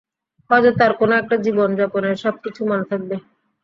হয়তো তার কোন একটা জীবন, যাপনের সবকিছু মনে থাকবে।